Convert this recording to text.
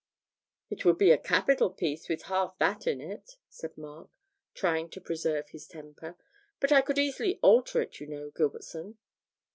'It would be a capital piece with half that in it,' said Mark, trying to preserve his temper, 'but I could easily alter it, you know, Gilbertson.'